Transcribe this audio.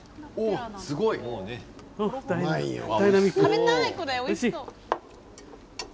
食べたい、これおいしそう。